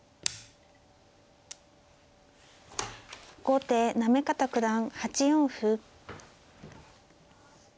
後手行方九段８四歩。